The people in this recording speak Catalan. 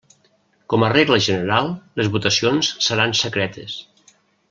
Com a regla general les votacions seran secretes.